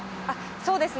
そうですね。